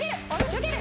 よける。